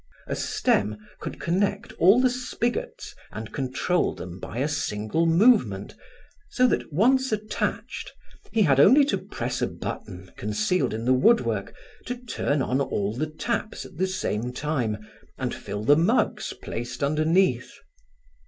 A stem could connect all the spigots and control them by a single movement, so that once attached, he had only to press a button concealed in the woodwork to turn on all the taps at the same time and fill the mugs placed underneath.